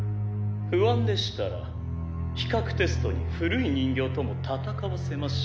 不安でしたら比較テストに古い人形とも戦わせましょう。